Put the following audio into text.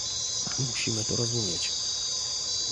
Musimy to rozumieć